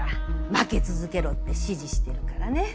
負け続けろって指示してるからね。